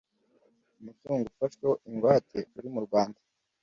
umutungo ufashweho ingwate uri mu Rwanda